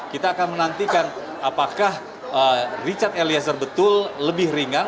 kita akan menantikan apakah richard eliezer betul lebih ringan